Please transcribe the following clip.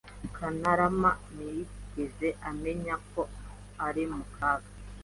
Kantarama ntiyigeze amenya ko ari mu kaga.